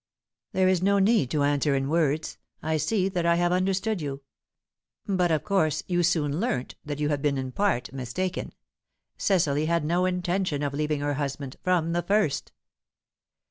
"There is no need to answer in words. I see that I have understood you. But of course you soon learnt that you had been in part mistaken. Cecily had no intention of leaving her husband, from the first."